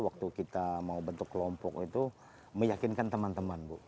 waktu kita mau bentuk kelompok itu meyakinkan teman teman bu